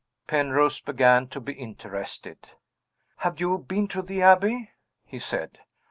Penrose began to be interested. "Have you been to the Abbey?" he said.